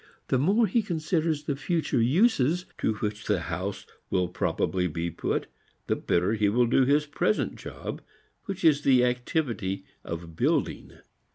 The more he considers the future uses to which the house will probably be put the better he will do his present job which is the activity of building.